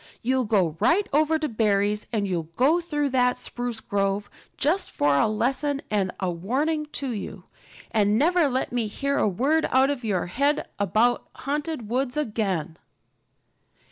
You'll go right over to Barry's, and you'll go through that spruce grove, just for a lesson and a warning to you. And never let me hear a word out of your head about haunted woods again."